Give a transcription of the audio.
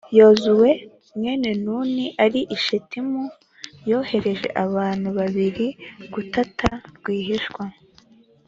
yozuwe, mwene nuni, ari i shitimu, yohereza abantu babiri gutata rwihishwa,